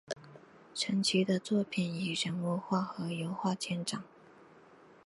陈奇的作品以人物画和油画见长。